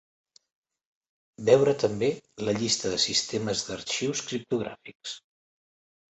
Veure també la llista de sistemes d'arxius criptogràfics.